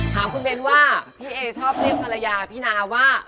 ถามคุณเบ้นว่าพี่เอชอบเรียกภรรยาพี่นาว่า